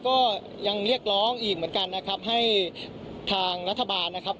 ก็ยังเรียกร้องอีกเหมือนกันนะครับให้ทางรัฐบาลนะครับ